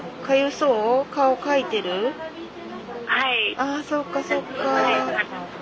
ああそっかそっか。